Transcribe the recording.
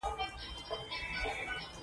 مونږ به پنځه ماشومان ژغورو.